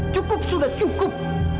cukup sudah cukup